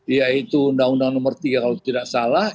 yaitu undang undang nomor tiga kalau tidak salah